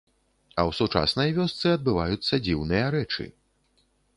А ў сучаснай вёсцы адбываюцца дзіўныя рэчы.